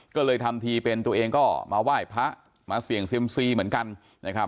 ก็เลยทำทีเป็นตัวเองก็มาไหว้พระมาเสี่ยงเซียมซีเหมือนกันนะครับ